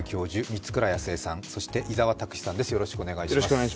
満倉靖恵さんそして伊沢拓司さんです。